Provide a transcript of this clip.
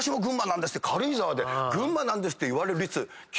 軽井沢で「群馬なんです」って言われる率。